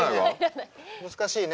難しいね。